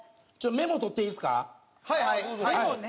メモね。